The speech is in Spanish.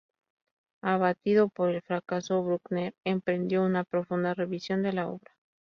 Abatido por el fracaso, Bruckner emprendió una profunda revisión de la obra.